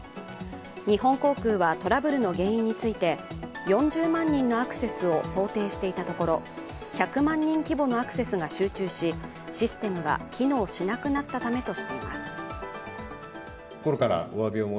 日本航空はトラブルの原因について４０万人のアクセスを想定していたところ１００万人規模のアクセスが集中し、システムが機能しなくなったためとしています。